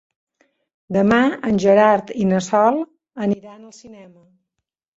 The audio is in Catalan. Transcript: Demà en Gerard i na Sol aniran al cinema.